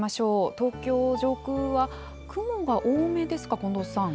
東京上空は雲が多めですか、近藤さん。